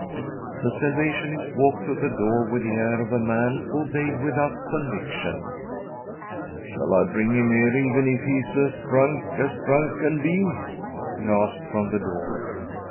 The Salvationist walked to the door with the air of a man who obeyed without conviction. " Shall I bring him here, even if he is as drunk as drunk can be?" he asked from the door.